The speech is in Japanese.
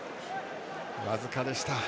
僅かでした。